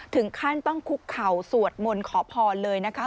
ถึงขั้นต้องคุกเข่าสวดมนต์ขอพรเลยนะคะ